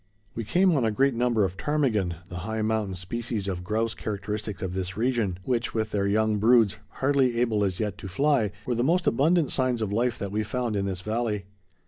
We came on a great number of ptarmigan—the high mountain species of grouse characteristic of this region,—which, with their young broods hardly able as yet to fly, were the most abundant signs of life that we found in this valley.